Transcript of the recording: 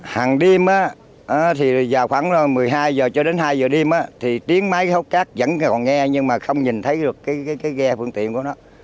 hàng đêm thì vào khoảng một mươi hai h cho đến hai giờ đêm thì tiếng máy hút cát vẫn còn nghe nhưng mà không nhìn thấy được cái ghe phương tiện của nó